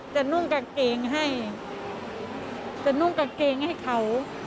นุ่งกางเกงให้จะนุ่งกางเกงให้เขา